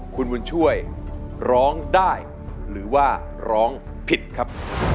คุณบุญช่วยร้องได้หรือว่าร้องผิดครับ